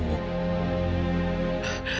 aku mencari kamu